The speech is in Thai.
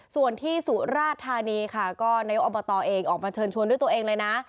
ส่วนที่สุราธานีค่ะก็นายกอบตเองออกมาเชิญชวนด้วยตัวเองเลยนะ